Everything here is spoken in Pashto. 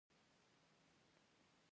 ملګری کله معلومیږي؟